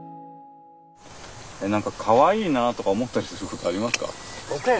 何かかわいいなとか思ったりすることありますか？